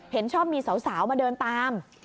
เห็นชอบมีสาวมาเดินตาม